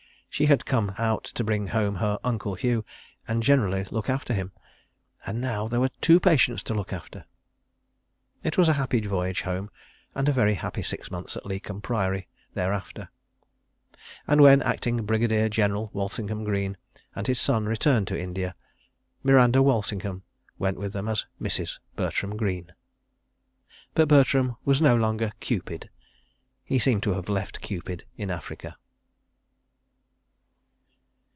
She had come out to bring home her "Uncle" Hugh and generally look after him—and now there were two patients to look after. It was a happy voyage Home, and a very happy six months at Leighcombe Priory thereafter. ... And when acting Brigadier General Walsingham Greene and his son returned to India, Miranda Walsingham went with them as Mrs. Bertram Greene. But Bertram was no longer "Cupid"—he seemed to have left "Cupid" in Africa.